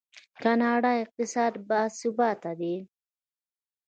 د کاناډا اقتصاد باثباته دی.